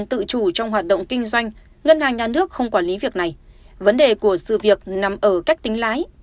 trong hoạt động kinh doanh ngân hàng nhà nước không quản lý việc này vấn đề của sự việc nằm ở cách tính lãi